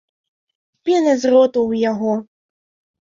Пена з роту ў яго.